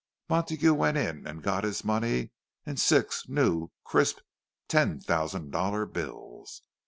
Montague went in and got his money, in six new, crisp, ten thousand dollar bills.